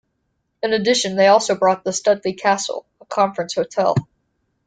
In addition they also bought the Studley Castle, a conference hotel.